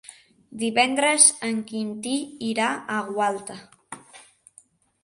Divendres en Quintí irà a Gualta.